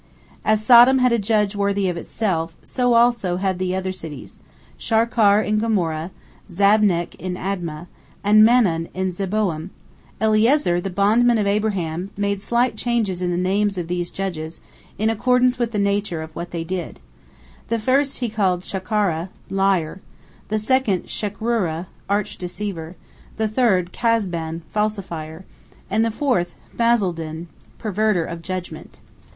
As Sodom had a judge worthy of itself, so also had the other cities—Sharkar in Gomorrah, Zabnak in Admah, and Manon in Zeboiim. Eliezer, the bondman of Abraham, made slight changes in the names of these judges, in accordance with the nature of what they did: the first he called Shakkara, Liar; the second Shakrura, Arch deceiver; the third Kazban, Falsifier; and the fourth, Mazle Din, Perverter of Judgment.